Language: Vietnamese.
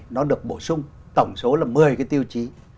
nó được bổ sung tổng số là một mươi cái tiêu chí